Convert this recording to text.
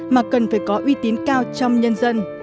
mà cần phải có uy tín cao trong nhân dân